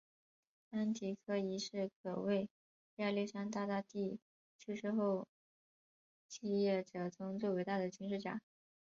安提柯一世可谓亚历山大大帝去世后继业者中最伟大的军事家。